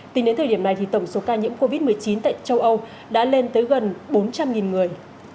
tính đến thời điểm này thì tổng số ca nhiễm covid một mươi chín tại châu âu đã lên tới gần bốn trăm linh người